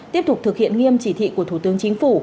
tiếp tục thực hiện nghiêm chỉ thị của thủ tướng chính phủ